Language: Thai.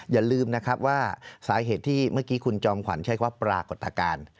อย่าลืมนะครับว่าสาเหตุที่เมื่อกี้คุณจอมขวัญใช้คำว่าปรากฏการณ์